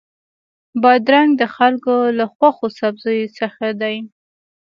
بادرنګ د خلکو له خوښو سبزیو څخه دی.